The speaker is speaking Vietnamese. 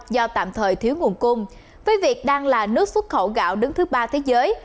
do tạm thời thiếu nguồn cung với việt đang là nước xuất khẩu gạo đứng thứ ba thế giới